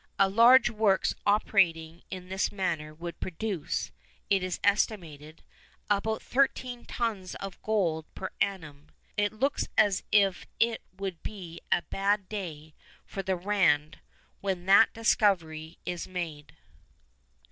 A large works operating in this manner would produce, it is estimated, about thirteen tons of gold per annum. It looks as if it would be a bad day for the Rand when that discovery is made.